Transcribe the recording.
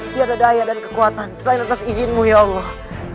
tiada daya dan kekuatan selain atas izinmu ya allah